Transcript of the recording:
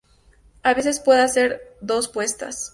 A veces pueden hacer dos puestas.